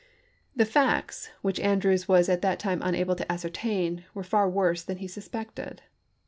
The facts, which Andrews was at that time unable to ascertain, were far worse than he suspected.